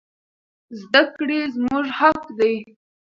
زدکړي زموږ حق دي